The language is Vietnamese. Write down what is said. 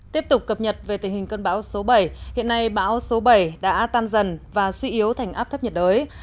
tiếp tục cập nhật về tình hình cơn bão số bảy hiện nay bão số bảy đã tan dần và suy yếu thành áp thấp nhiệt đới